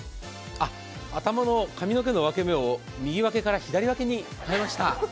髪の毛の分け目を右分けから左分けに変えました。